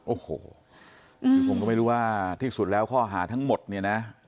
โอ้โหคือผมก็ไม่รู้ว่าที่สุดแล้วข้อหาทั้งหมดเนี่ยนะ